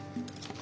あ！